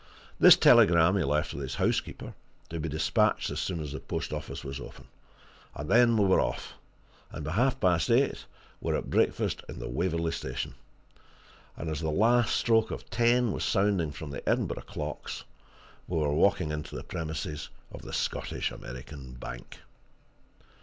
This telegram he left with his housekeeper to be dispatched as soon as the post office was open. And then we were off, and by half past eight were at breakfast in the Waverley Station; and as the last stroke of ten was sounding from the Edinburgh clocks we were walking into the premises of the Scottish American Bank.